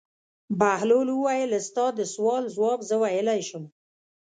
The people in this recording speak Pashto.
بهلول وویل: ستا د سوال ځواب زه ویلای شم.